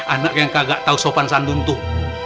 anak yang kagak tau sopan sandun tuh